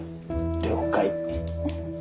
了解。